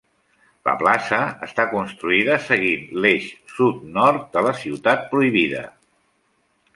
La plaça està construïda seguint l'eix sud-nord de la Ciutat Prohibida.